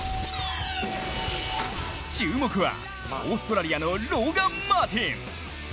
注目はオーストラリアのローガン・マーティン。